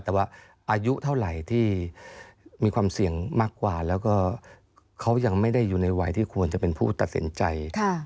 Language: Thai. แต่ว่าอายุเท่าไหร่ที่มีความเสี่ยงมากกว่าแล้วก็เขายังไม่ได้อยู่ในวัยที่ควรจะเป็นผู้ตัดสินใจ